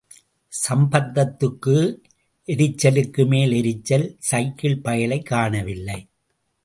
சம்பந்தத்துக்கு எரிச்சலுக்கு மேல் எரிச்சல், சைக்கிள் பயலைக் காணவில்லை.